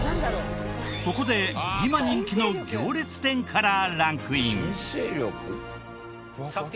ここで今人気の行列店からランクイン。